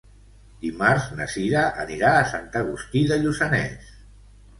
Dimarts na Cira anirà a Sant Agustí de Lluçanès.